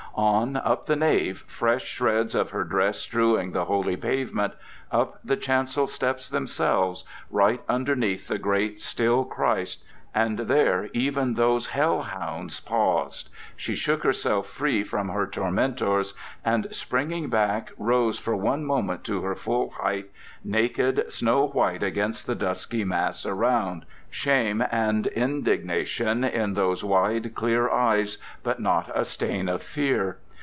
"On, up the nave, fresh shreds of her dress strewing the holy pavement—up the chancel steps themselves—right underneath the great, still Christ: and there even those hell hounds paused.... She shook herself free from her tormentors, and springing back, rose for one moment to her full height, naked, snow white against the dusky mass around—shame and indignation in those wide, clear eyes, but not a stain of fear.